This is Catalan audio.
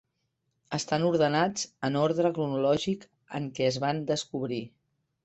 Estan ordenats en ordre cronològic en què es van descobrir.